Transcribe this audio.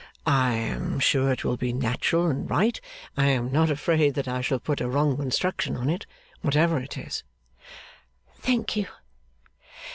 I am sure it will be natural and right. I am not afraid that I shall put a wrong construction on it, whatever it is.' 'Thank you.